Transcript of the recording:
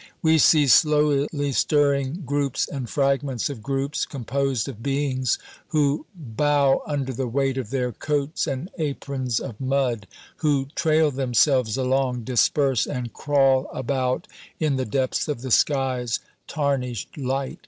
We see slowly stirring groups and fragments of groups, composed of beings who bow under the weight of their coats and aprons of mud, who trail themselves along, disperse, and crawl about in the depths of the sky's tarnished light.